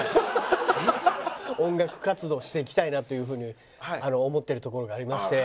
音楽活動していきたいなという風に思ってるところがありまして。